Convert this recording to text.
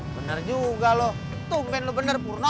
benar juga loh tumpen lu benar purno